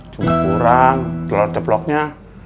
cuma kurang telur ceploknya